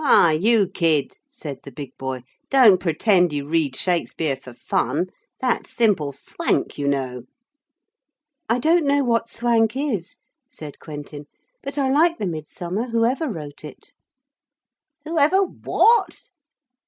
'Hi, you kid,' said the big boy, 'don't pretend you read Shakespeare for fun. That's simple swank, you know.' 'I don't know what swank is,' said Quentin, 'but I like the Midsummer whoever wrote it.' 'Whoever what?'